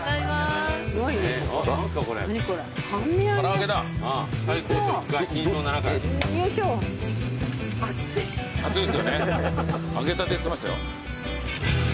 揚げたてっつってましたよ。